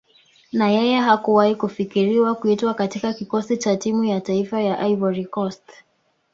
Na yeye hakuwahi kufikiriwa kuitwa katika Kikosi cha Timu ya Taifa ya Ivory Coast